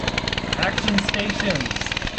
Action Stations!